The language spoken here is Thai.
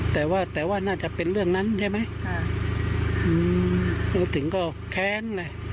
แต่ว่าน่าจะเป็นเรื่องนั้นใช่ไหม